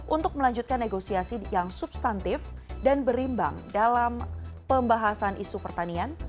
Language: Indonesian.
untuk melanjutkan negosiasi yang substantif dan berimbang dalam pembahasan isu pertanian